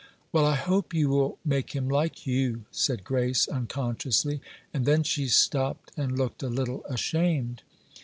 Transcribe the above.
"Well, I hope you will make him like you," said Grace, unconsciously; and then she stopped, and looked a little ashamed.